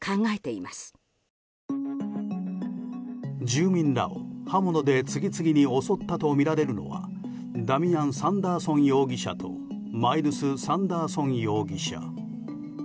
住民らを刃物で次々に襲ったとみられるのはダミアン・サンダーソン容疑者とマイルス・サンダーソン容疑者。